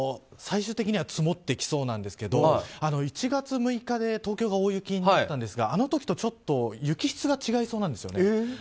最終的には積もってきそうなんですけど１月６日で東京が大雪になったんですがあの時とちょっと雪質が違いそうなんです。